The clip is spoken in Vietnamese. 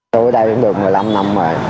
tôi ở đây được một mươi năm năm rồi